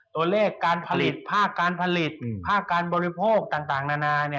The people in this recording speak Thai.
ตัวเลขการผลิตภาคการผลิตภาคการบริโภคต่างนานา